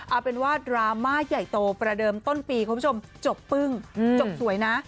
เอาเป็นว่าดราม่าใหญ่โตประเดิมต้นปีคุณผู้ชมจบปึ้งจบสวยนะ